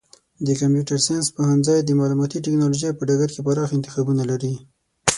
د کمپیوټر ساینس پوهنځی د معلوماتي ټکنالوژۍ په ډګر کې پراخه انتخابونه لري.